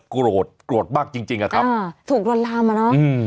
โกรธโกรธมากจริงจริงอะครับอ่าถูกลวนลามอ่ะเนอะอืม